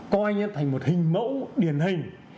coi như là thành một hình mẫu điển hình